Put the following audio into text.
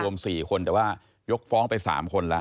รวม๔คนแต่ว่ายกฟ้องไป๓คนแล้ว